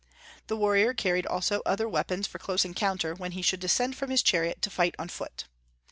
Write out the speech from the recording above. The warrior carried also other weapons for close encounter, when he should descend from his chariot to fight on foot.